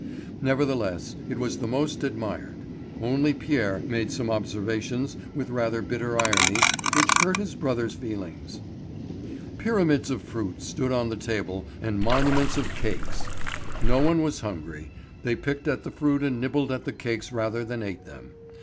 Nevertheless it was the most admired; only Pierre made some observations with rather bitter irony which hurt his brother's feelings. Pyramids of fruit stood on the table and monuments of cakes. No one was hungry; they picked at the fruit and nibbled at the cakes rather than ate them.